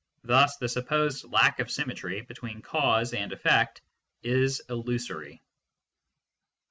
Thus the supposed lack of symmetry between " causej and " effect " is illusory.